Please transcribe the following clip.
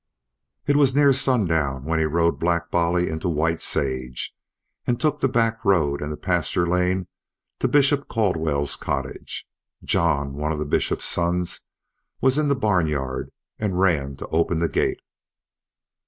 It was near sundown when he rode Black Bolly into White Sage, and took the back road, and the pasture lane to Bishop Caldwell's cottage. John, one of the Bishop's sons, was in the barn yard and ran to open the gate.